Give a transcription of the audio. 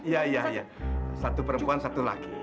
iya iya iya satu perempuan satu laki